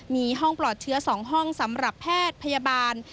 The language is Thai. มีห้องปลอดเชื้อ๒ห้องสำหรับแพทย์พยาบาล